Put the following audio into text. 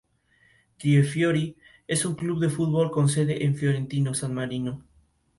Son conocidas sus apariciones y colaboraciones en programas como "¿Dónde estás, corazón?